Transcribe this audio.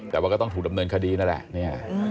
แต่ว่าก็ต้องถูกดำเนินคดีนั่นแหละเนี่ย